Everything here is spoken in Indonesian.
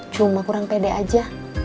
cuma kurang pede aja